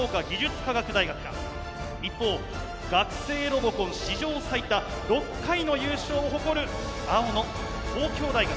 一方学生ロボコン史上最多６回の優勝を誇る青の東京大学か。